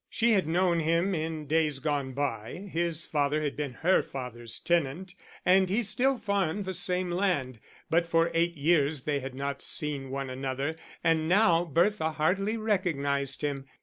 She had known him in days gone by his father had been her father's tenant, and he still farmed the same land but for eight years they had not seen one another, and now Bertha hardly recognised him.